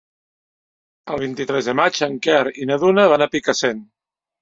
El vint-i-tres de maig en Quer i na Duna van a Picassent.